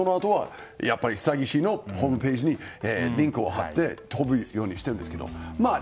そのあとは、やっぱり詐欺師のホームページにリンクを貼ってリンクを張って飛ぶようにしてるんですけど。